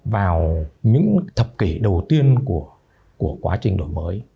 vào những thập kỷ đầu tiên của quá trình đổi mới